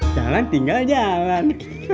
jalan tinggal jalan